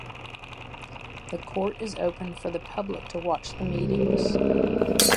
The Court is open for the public to watch the meetings.